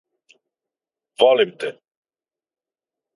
Volim te!